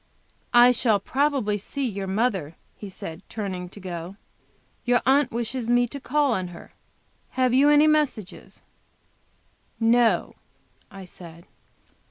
"I shall probably see your mother," he said, turning to go; "your aunt wishes me to call on her; have you any message?" "No," I said.